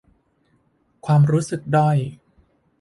ความรู้สึกด้อย